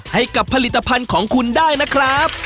ให้กับผลิตภัณฑ์ของคุณได้นะครับ